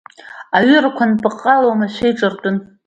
Аҩырақәа анпыҟҟала, уамашәа еиҿартәын.